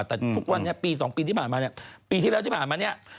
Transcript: แต่พวกวันนี้ปี๒ปีที่ผ่านมาปีที่แล้วที่ผ่านมา